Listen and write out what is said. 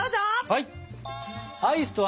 はい！